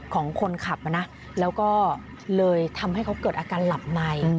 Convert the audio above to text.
ของคนขับนะแล้วก็เลยทำให้เขาเกิดอาการหลับใน